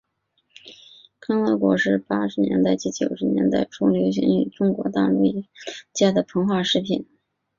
康乐果是八十年代及九十年代初流行于中国大陆一种廉价膨化食品。